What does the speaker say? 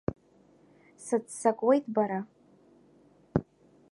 Сыццакуеит, бара.